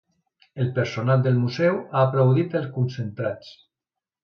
El personal del museu ha aplaudit els concentrats.